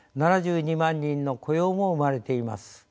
７２万人の雇用も生まれています。